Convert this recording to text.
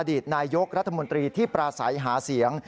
ตนายกรัฐมนตรีที่ปราศัยหาเสียง